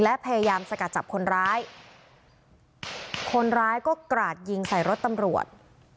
และพยายามสกัดจับคนร้ายคนร้ายก็กราดยิงใส่รถตำรวจ